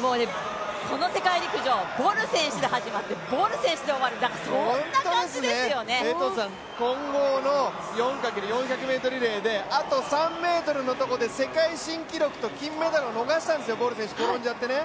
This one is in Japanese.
もうね、この世界陸上、ボル選手で始まってボル選手で終わる、混合の４×４００ｍリレーで、あと３ｍのところで世界新記録と金メダルを逃したんですよ、ボル選手転んじゃってね。